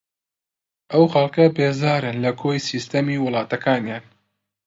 ئەو خەڵکە بێزارن لە کۆی سیستەمی وڵاتەکانیان